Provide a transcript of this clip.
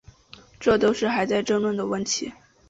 这都是还在争论中的问题。